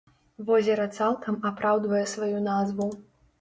Возера цалкам апраўдвае сваю назву.